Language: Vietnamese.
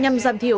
nhằm giảm thiếu